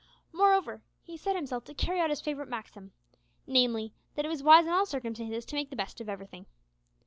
Moreover, he set himself to carry out his favourite maxim namely, that it was wise in all circumstances to make the best of everything.